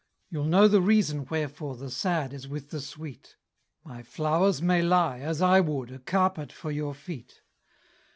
You'll know the reason wherefore The sad is with the sweet; My flowers may lie, as I would, A carpet for your feet!